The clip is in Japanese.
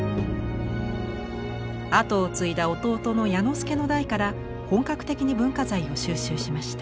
跡を継いだ弟の彌之助の代から本格的に文化財を収集しました。